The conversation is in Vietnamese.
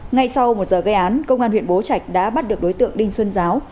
ngay sau một giờ gây án công an huyện bố trạch đã bắt được đối tượng đinh xuân giáo